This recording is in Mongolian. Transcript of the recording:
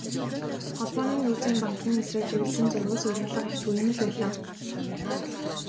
Холбооны нөөцийн банкны эсрэг чиглэсэн зурвас, уриалга их түгээмэл байлаа.